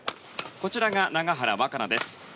こちらが永原和可那です。